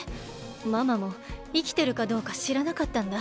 ママもいきてるかどうかしらなかったんだ。